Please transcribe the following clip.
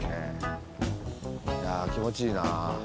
いや気持ちいいな。